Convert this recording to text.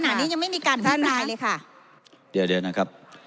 ขณะนี้ยังไม่มีการอภิปรายเลยค่ะเดี๋ยวเดี๋ยวนะครับ